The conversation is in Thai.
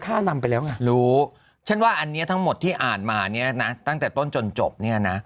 ถ้านำไปแล้วไงรู้ฉันว่าอันนี้ทั้งหมดที่อ่านมาเนี่ยนะตั้งแต่ต้นจนจบเนี่ยนะ